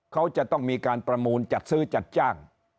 เขาจะต้องมีการประมูลจัดซื้อจัดจ้าง